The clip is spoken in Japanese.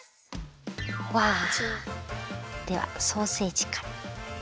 わではソーセージから。